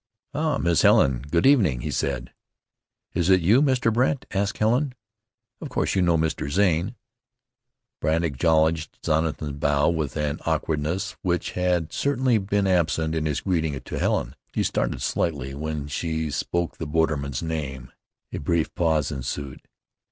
"Ah, Miss Helen! Good evening," he said. "Is it you, Mr. Brandt?" asked Helen. "Of course you know Mr. Zane." Brandt acknowledged Jonathan's bow with an awkwardness which had certainly been absent in his greeting to Helen. He started slightly when she spoke the borderman's name. A brief pause ensued.